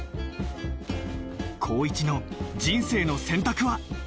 紘一の人生の選択は？